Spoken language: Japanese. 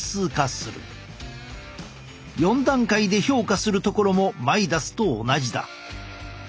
４段階で評価するところもマイダスと同じだ。